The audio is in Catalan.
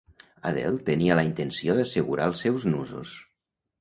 Adele tenia la intenció d'assegurar els seus nusos.